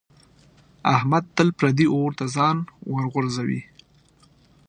احمد تل پردي اور ته ځان ورغورځوي.